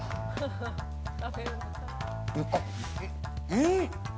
うん！